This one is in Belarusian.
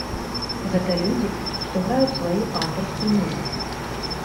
Гэта людзі, што граюць сваю аўтарскую музыку.